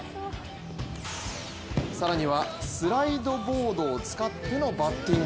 更にはスライドボードを使ってのバッティング。